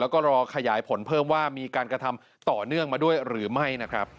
แล้วก็รอขยายผลเพิ่มว่ามีการกระทำต่อเนื่องมาด้วยหรือไม่นะครับ